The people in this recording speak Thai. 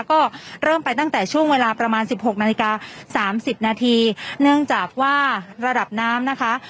ก็เริ่มไปตั้งแต่ช่วงเวลาประมาณสิบหกนาฬิกาสามสิบนาทีเนื่องจากว่าระดับน้ำนะคะ